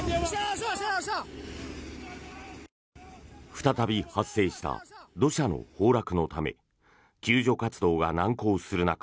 再び発生した土砂の崩落のため救助活動が難航する中